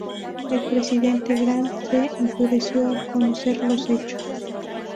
El presidente Grant se enfureció al conocer los hechos.